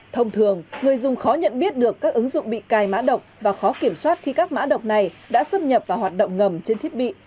thông thường người dùng khó nhận biết được các ứng dụng bị cài mã độc và khó kiểm soát khi các mã độc này đã xâm nhập vào hoạt động ngầm trên thiết bị